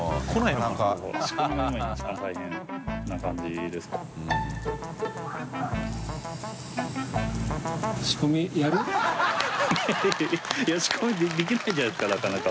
い仕込みできないじゃないですかなかなか。